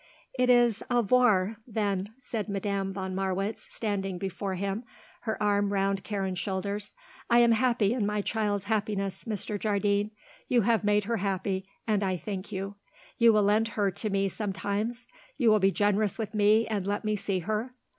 "It is au revoir, then," said Madame von Marwitz, standing before him, her arm round Karen's shoulders. "I am happy in my child's happiness, Mr. Jardine. You have made her happy, and I thank you. You will lend her to me, sometimes? You will be generous with me and let me see her?"